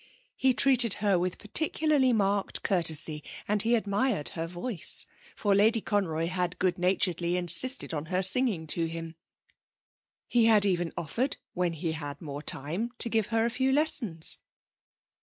He treated her with particularly marked courtesy, and he admired her voice, for Lady Conroy had good naturedly insisted on her singing to him. He had even offered, when he had more time, to give her a few lessons.